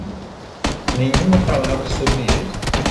Nenhuma palavra sobre ele.